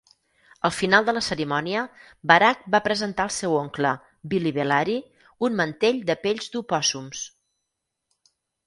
Al final de la cerimònia, Barak va presentar al seu oncle, Billibellary, un mantell de pells d'opòssums.